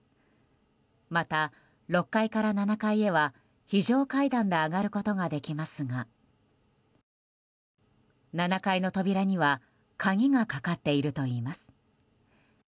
また、６階から７階へは非常階段で上がることができますが７階の扉には鍵がかかっているといいます。